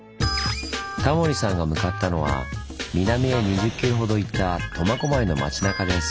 タモリさんが向かったのは南へ２０ｋｍほど行った苫小牧の町なかです。